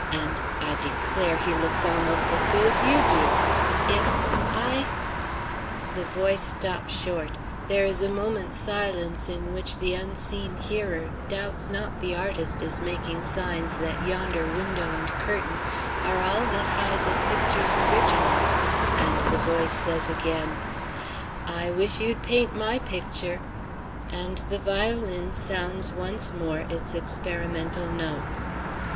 And I declare, he looks almost as good as you do! If I" The voice stops short. There is a moment's silence in which the unseen hearer doubts not the artist is making signs that yonder window and curtain are all that hide the picture's original, and the voice says again, "I wish you'd paint my picture," and the violin sounds once more its experimental notes.